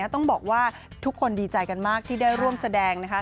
ต้องบอกว่าทุกคนดีใจกันมากที่ได้ร่วมแสดง